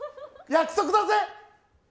約束だぜ！